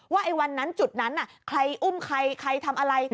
ไอ้วันนั้นจุดนั้นใครอุ้มใครใครทำอะไร